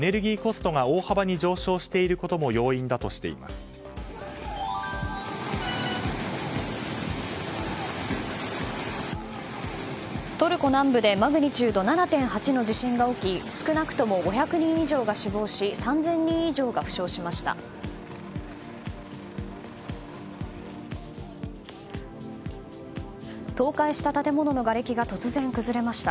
トルコ南部でマグニチュード７．８の地震が起き少なくとも５００人以上が死亡し３０００人以上が負傷しました。